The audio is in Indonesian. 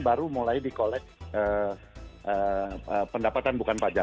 baru mulai di collect pendapatan bukan pajak